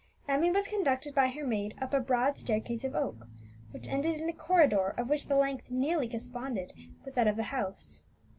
Emmie was conducted by her maid up a broad staircase of oak, which ended in a corridor, of which the length nearly corresponded with that of the house.